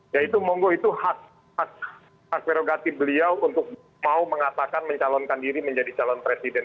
ya itu monggo itu hak prerogatif beliau untuk mau mengatakan mencalonkan diri menjadi calon presiden